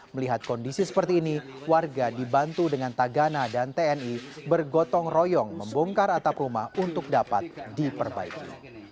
melihat kondisi seperti ini warga dibantu dengan tagana dan tni bergotong royong membongkar atap rumah untuk dapat diperbaiki